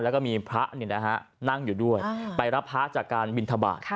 แล้วก็มีพระนั่งอยู่ด้วยไปรับพระจากการบินทบาท